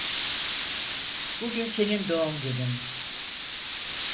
Bugün senin doğum günün.